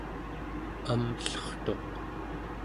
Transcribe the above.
amllertuq